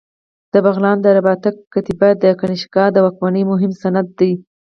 د بغلان د رباطک کتیبه د کنیشکا د واکمنۍ مهم سند دی